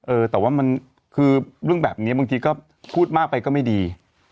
เออแต่ว่ามันคือเรื่องแบบนี้บางทีก็พูดมากไปก็ไม่ดี